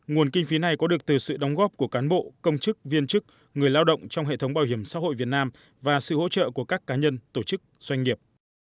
nguồn kinh phí này có được từ sự đóng góp của cán bộ công chức viên chức người lao động trong hệ thống bảo hiểm xã hội việt nam và sự hỗ trợ của các cá nhân tổ chức doanh nghiệp